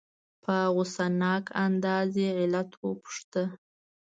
په غصناک انداز یې علت وپوښته.